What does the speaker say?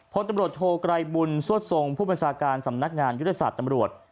พลตำรวจโทไกรบุญสวดทรงผู้บัญชาการสำนักงานยุทธศาสตร์ตำรวจ